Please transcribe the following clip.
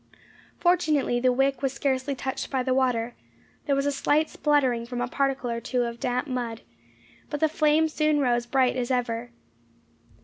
Fortunately the wick was scarcely touched by the water; there was a slight spluttering from a particle or two of damp mud, but the flame soon rose bright as ever.